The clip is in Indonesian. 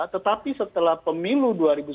tetapi setelah pemilu